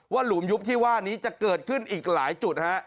หลุมยุบที่ว่านี้จะเกิดขึ้นอีกหลายจุดฮะ